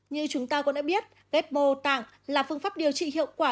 như chúng ta cũng đã biết ghép mô tạng là phương pháp điều trị hiệu quả